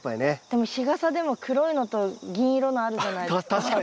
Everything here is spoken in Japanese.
でも日傘でも黒いのと銀色のあるじゃないですか。